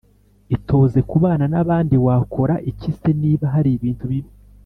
Itoze kubana n abandi Wakora iki se niba hari ibintu bibi